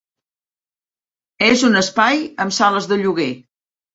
És un espai amb sales de lloguer.